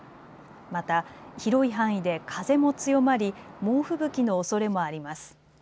また、広い範囲で風も強まり猛吹雪のおそれもあります。